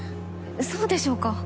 そうでしょうか。